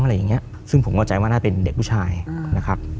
อะไรอย่างเงี้ยซึ่งผมเข้าใจว่าน่าเป็นเด็กผู้ชายนะครับ